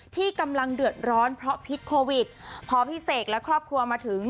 ที่กำลังเดือดร้อนเพราะพิษโควิดพอพี่เสกและครอบครัวมาถึง